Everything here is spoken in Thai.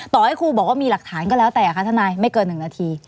ต่อให้ครูบอกว่ามีหลักฐานก็แล้วแต่คะทนายไม่เกิน๑นาที